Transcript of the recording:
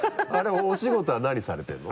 お仕事は何されてるの？